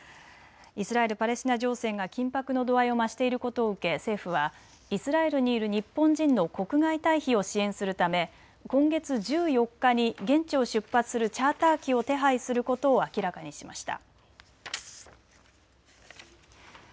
イスラエル・パレスチナ情勢が緊迫の度合いを増していることを受け、政府はイスラエルにいる日本人の国外退避を支援するため今月１４日に現地を出発するチャーター機を手配することを明らかにしました。